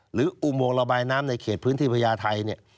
หรืออุปโมงระบายน้ำในเขตพื้นที่พญาไทย